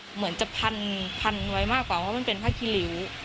เหมือนจะพันไว้มากกว่าเพราะมันเป็นผ้าคีริ้ว